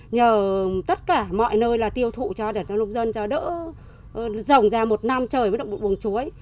nhờ tất cả mọi nơi là tiêu thụ cho để lông dân cho đỡ rồng ra một năm trời mới được buồng chuối